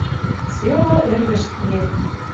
Цела Ӹрвӹж киӓ.